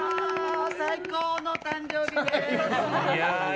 最高のお誕生日です！